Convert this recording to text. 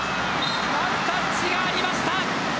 ワンタッチがありました。